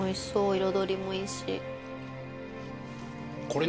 彩りもいいし。